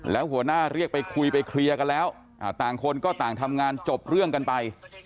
แล้วหัวหน้าเรียกไปคุยไปเคลียร์กันแล้วต่างคนก็ต่างทำงานจบเรื่องกันไป